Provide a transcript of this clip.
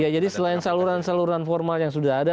ya jadi selain saluran saluran formal yang sudah ada